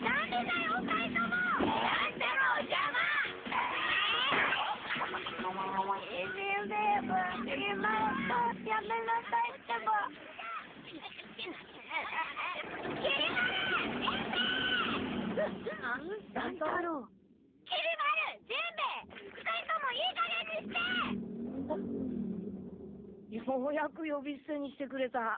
ようやくよびすてにしてくれた。え？